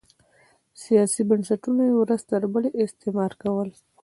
سیاسي بنسټونه یې ورځ تر بلې استثماري کول